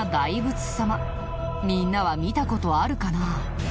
みんなは見た事あるかな？